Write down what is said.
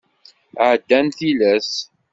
Ɛeddan tilas.